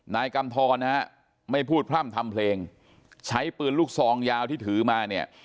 นายกำทรนะฮะไม่พูดพร่ำทำเพลงใช้ปืนลูกซองยาวที่ถือมาเนี่ย